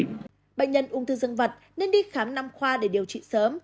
bệnh nhân ung thư dân vật nên đi khám năm khoa để điều trị sớm